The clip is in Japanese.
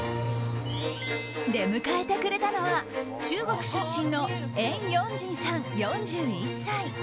出迎えてくれたのは中国出身のエン・ヨンジンさん、４１歳。